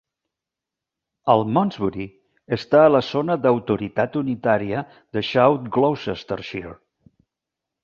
Almondsbury està a la zona d'autoritat unitària de South Gloucestershire.